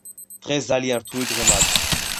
დღეს ძალიან რთული დღე მაქ